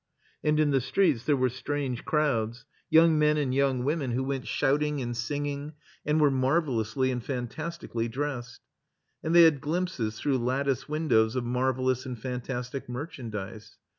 And in the streets there were strange crowds, young men and young women who went shouting and singing and were marvelous ly and fantastically dressed. And they had glimpses through lattice windows of marvelous and fantastic merchandise.